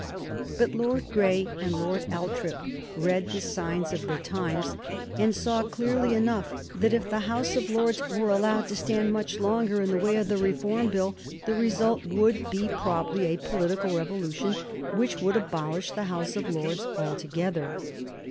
But Lord Grey and Lord Althorp read the signs of the times, and saw clearly enough that if the House of Lords were allowed to stand much longer in the way of the Reform Bill the result would be probably a political revolution which would abolish the House of Lords altogether.